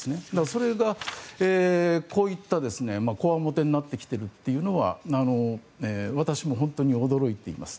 それが、こわもてになってきているというのは私も本当に驚いています。